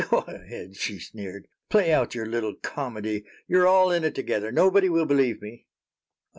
"Go ahead," she sneered. "Play out your little comedy. You're all in it together. Nobody will believe me."